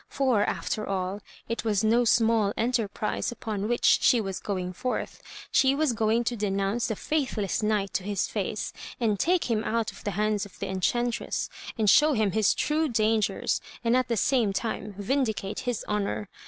For, after all, it was no small enterprise upon which she was going forth. She was going to denounce the faithless knight to his face, and take him out of the hands of the enchantress, and show him bis true dangers, and at the same time vindicate his honour.